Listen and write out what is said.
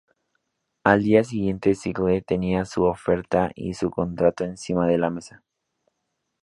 Al día siguiente Cycle tenía su oferta y su contrato encima de la mesa.